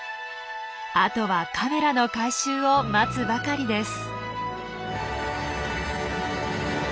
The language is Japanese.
あとはカメラの回収を待つばかりです。